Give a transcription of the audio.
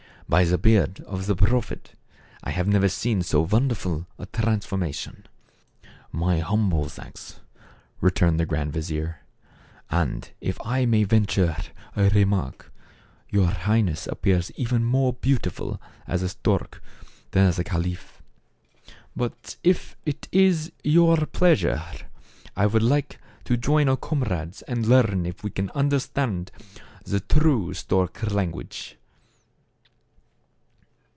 " By the beard of the Prophet, I have never seen so wonderful a transformation." " My humble thanks," returned the grand vizier. " And, if I may venture a remark, your Highness appears even more beautiful as a stork than as a caliph. But if it is your pleasure, I would like to join our comrades and learn if we can under stand the true stork language."